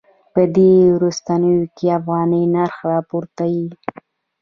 په دې وروستیو کې د افغانۍ نرخ راپریوتی.